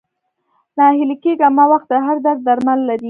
ناهيلی کيږه مه ، وخت د هر درد درمل لري